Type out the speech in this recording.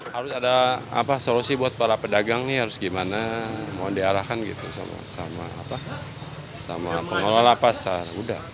harus ada solusi buat para pedagang nih harus gimana mau diarahkan gitu sama pengelola pasar udah